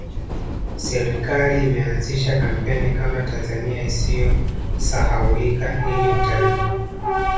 serikali imeanzisha kampeni Kama tanzania isiyo sahaulika ili utalii